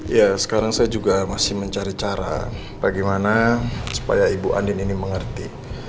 ya sekarang saya juga masih mencari cara bagaimana supaya ibu andin ini mengerti